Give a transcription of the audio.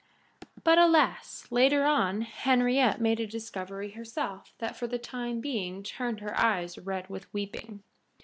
But, alas! later on Henriette made a discovery herself that for the time being turned her eyes red with weeping.